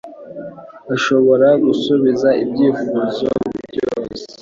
Ashobora gusubiza ibyifuzo byose.